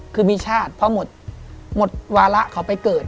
คือมีชาติเพราะหมดวาระเขาไปเกิด